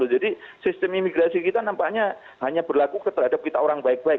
jadi sistem imigrasi kita nampaknya hanya berlaku terhadap kita orang baik baik